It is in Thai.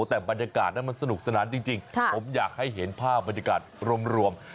แต่บรรยากาศนั้นมันสนุกสนานจริงผมอยากให้เห็นภาพบรรยากาศรวม